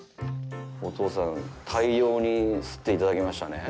お父さん大量にすっていただきましたね。